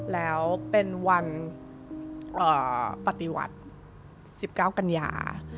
แล้วเป็นวันปฏิวัติ๑๙กันยา